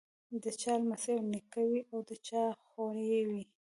د چا لمسی او نیکه وي او د چا خوريی وي.